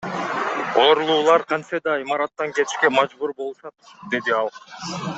Оорулуулар кантсе да имараттан кетишке мажбур болушат, — деди ал.